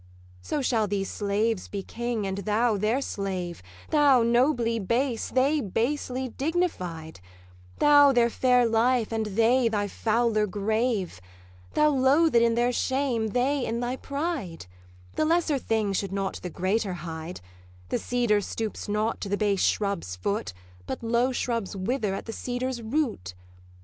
'So shall these slaves be king, and thou their slave; Thou nobly base, they basely dignified; Thou their fair life, and they thy fouler grave: Thou loathed in their shame, they in thy pride: The lesser thing should not the greater hide; The cedar stoops not to the base shrub's foot, But low shrubs whither at the cedar's root.